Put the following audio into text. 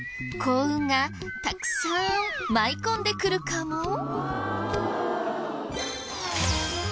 幸運がたくさん舞い込んでくるかも？